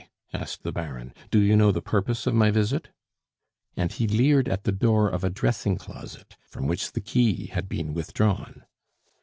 asked the Baron. "Do you know the purpose of my visit?" And he leered at the door of a dressing closet from which the key had been withdrawn.